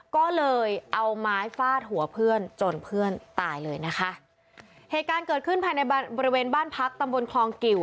ก็เลยเอาไม้ฟาดหัวเพื่อนจนเพื่อนตายเลยนะคะเหตุการณ์เกิดขึ้นภายในบ้านบริเวณบ้านพักตำบลคลองกิว